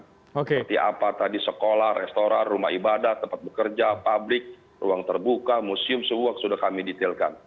seperti apa tadi sekolah restoran rumah ibadah tempat bekerja publik ruang terbuka museum semua sudah kami detailkan